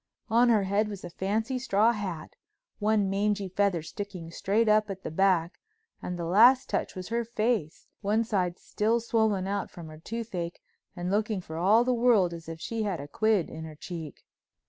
On her head was a fancy straw hat with one mangy feather sticking straight up at the back, and the last touch was her face, one side still swollen out from her toothache, and looking for all the world as if she had a quid in her cheek.